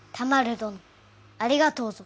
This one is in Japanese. どのありがとうぞ。